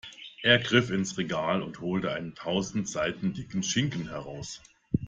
Er griff ins Regal und holte einen tausend Seiten dicken Schinken heraus.